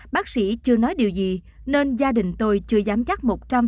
bác sĩ chưa nói điều gì nên gia đình tôi chưa dám chắc một trăm linh